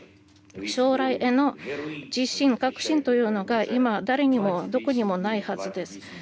将来への自信、確信というのが今、誰にも、どこにもないはずです。